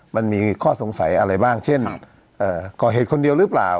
มันมีข้อสงสัยอะไรบ้างเช่นก่อเหตุคนเดียวหรือเปล่า